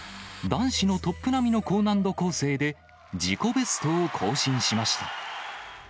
男子のトップ並みの高難度構成で、自己ベストを更新しました。